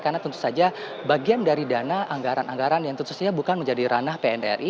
karena tentu saja bagian dari dana anggaran anggaran yang tentu saja bukan menjadi ranah pnri